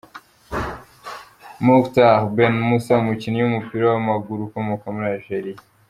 Mokhtar Benmoussa, umukinnyi w’umupira w’amaguru ukomoka muri Algeria.